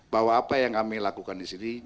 bahwa apa yang kami lakukan di sini